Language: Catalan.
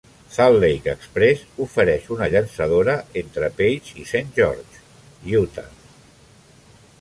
Salt Lake Express ofereix una llançadora entre Page i Saint George, Utah.